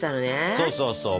そうそうそう。